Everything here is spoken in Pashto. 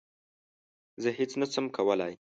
زه هیڅ نه شم کولای